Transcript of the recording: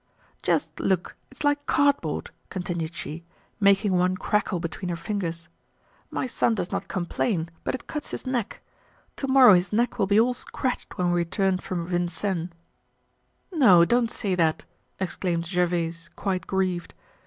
"Just look, it's like cardboard," continued she, making one crackle between her fingers. "My son does not complain, but it cuts his neck. To morrow his neck will be all scratched when we return from Vincennes." "No, don't say that!" exclaimed Gervaise, quite grieved.